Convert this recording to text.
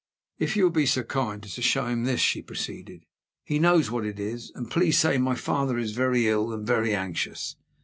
"If you will be so kind as to show him this," she proceeded; "he knows what it is. And please say, my father is very ill and very anxious.